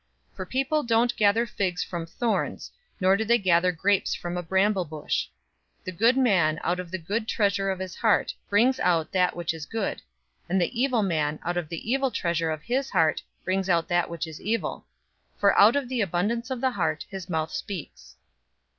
For people don't gather figs from thorns, nor do they gather grapes from a bramble bush. 006:045 The good man out of the good treasure of his heart brings out that which is good, and the evil man out of the evil treasure of his heart brings out that which is evil, for out of the abundance of the heart, his mouth speaks.